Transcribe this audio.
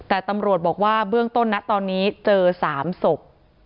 แต่ตำรวจบอกว่าเบื้องต้นนะตอนนี้เจอ๓ศพ